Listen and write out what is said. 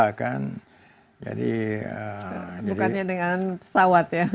bukannya dengan pesawat ya